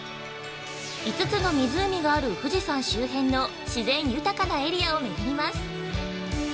５つの湖がある富士山周辺の自然豊かなエリアを巡ります。